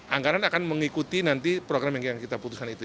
anggaran akan mengikuti nanti program yang kita putuskan itu